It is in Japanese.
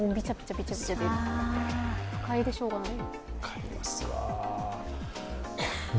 不快でしょうがない。